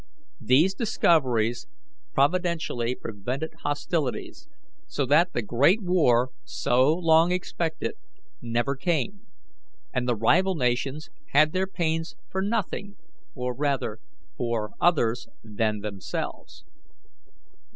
These discoveries providentially prevented hostilities, so that the 'Great War,' so long expected, never came, and the rival nations had their pains for nothing, or, rather, for others than themselves.